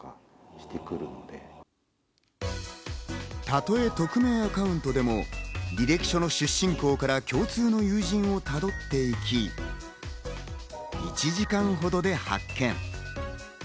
たとえ匿名アカウントでも履歴書の出身校から共通の友人をたどって行き１時間ほどで発見。